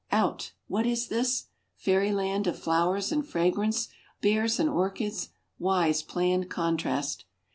Out, what is this! Fairyland of flowers and fragrance. Bears and orchids, wise planned contrast.